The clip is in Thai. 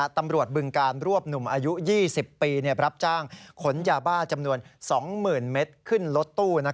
ตำรวจบึงการรวบหนุ่มอายุ๒๐ปีรับจ้างขนยาบ้าจำนวน๒๐๐๐เมตรขึ้นรถตู้